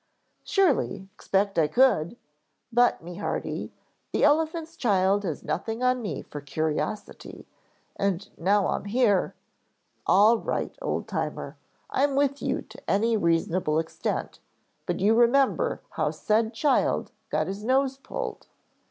"Surely, expect I could, but me hearty, the Elephant's Child has nothing on me for curiosity, and now I'm here " "All right, Old Timer, I'm with you to any reasonable extent, but you remember how said Child got his nose pulled.